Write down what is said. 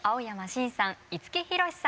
新さん五木ひろしさん